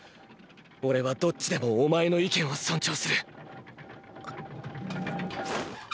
オレはどっちでもお前の意見を尊重する。